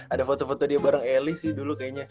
ada foto foto dia bareng eli sih dulu kayaknya